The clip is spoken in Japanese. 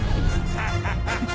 アハハハ。